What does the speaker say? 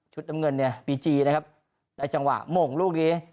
ชุดน้ำเงินบีจีนะครับในจังหวะโม่งลูกนี้